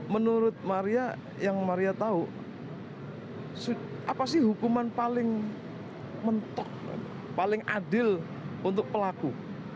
menurut maria yang maria tahu apa sih hukuman paling mentok paling adil untuk pelaku